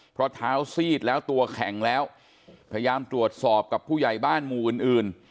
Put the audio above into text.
เพราะเท้าซีดแล้วตัวแข็งแล้วพยายามตรวจสอบกับผู้ใหญ่บ้านหมู่อื่นอื่น